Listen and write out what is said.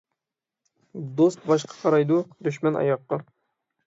دوست باشقا قارايدۇ، دۈشمەن ئاياققا.